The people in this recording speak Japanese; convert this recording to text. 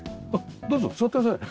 どうぞ座ってください。